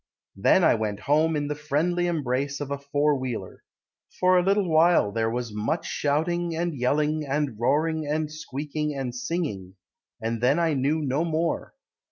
Then I went home In the friendly embrace Of a four wheeler. For a little while, There was much shouting and yelling and roaring and squeaking and singing; And then I knew No more.